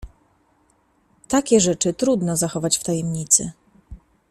Takie rzeczy trudno zachować w tajemnicy…